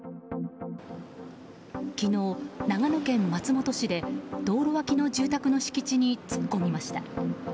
昨日、長野県松本市で道路脇の住宅の敷地に突っ込みました。